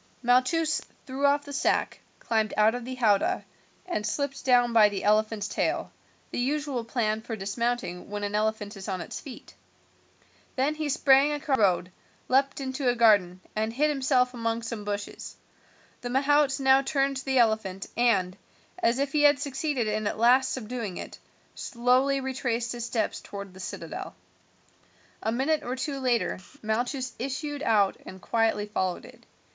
Malchus threw off the sack, climbed out of the howdah, and slipped down by the elephant's tail, the usual plan for dismounting when an elephant is on its feet. Then he sprang across the road, leaped into a garden, and hid himself among some bushes. The mahout now turned the elephant, and, as if he had succeeded at last in subduing it, slowly retraced his steps towards the citadel. A minute or two later Malchus issued out and quietly followed it.